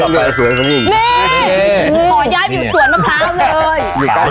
แล้วขอยาทอยู่สวนมะพร้าวเลย